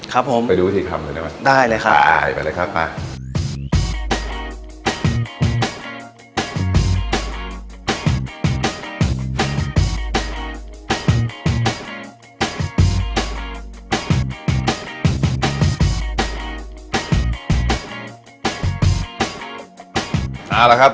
ครับผมไปดูวิธีทำเลยได้ไหมไปเลยครับป่ะได้เลยครับ